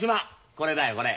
これだよこれ。